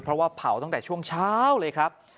เพราะว่าเผาตั้งแต่ช่วงเช้าเลยครับ